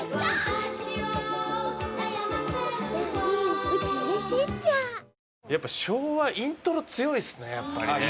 岩井：やっぱ、昭和、イントロ強いですね、やっぱりね。